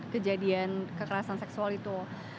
kejadian kekerasan seksual itu